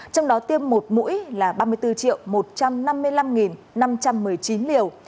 trong đó tiêm một mũi là ba mươi bốn một trăm năm mươi năm năm trăm một mươi chín liều